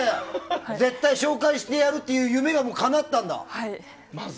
絶対紹介してやるっていう夢がかなったんだ。